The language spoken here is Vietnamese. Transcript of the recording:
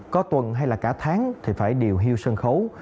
có tuần hay là cả tháng thì phải điều hưu sân khấu